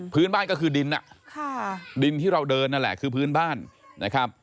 พื้นบ้านก็คือดินดินที่เราเดินนั่นแหละคือพื้นบ้านนะครับ